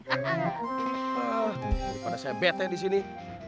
ah daripada saya bete di sini mak